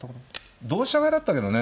同飛車が嫌だったけどね。